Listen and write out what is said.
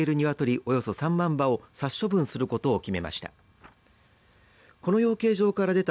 およそ３万羽を殺処分することを決めました。